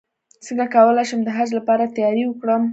څنګه کولی شم د حج لپاره تیاری وکړم